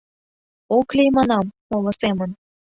— Ок лий, манам, моло семын.